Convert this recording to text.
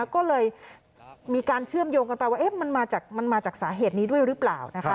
ก็เลยมีการเชื่อมโยงกันไปว่ามันมาจากสาเหตุนี้ด้วยหรือเปล่า